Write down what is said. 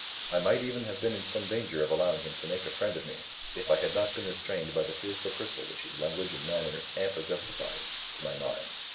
I might even have been in some danger of allowing him to make a friend of me, if I had not been restrained by the fears for Cristel which his language and his manner amply justified, to my mind.